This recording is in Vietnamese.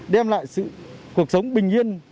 đem lại cuộc sống bình yên